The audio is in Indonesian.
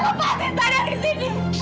lepaskan tangan saya dari sini